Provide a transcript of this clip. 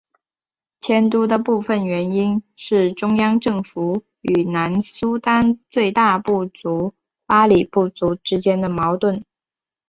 迁都的部分原因是中央政府与南苏丹最大部族巴里部族之间的矛盾。